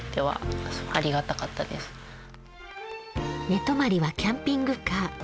寝泊まりはキャンピングカー。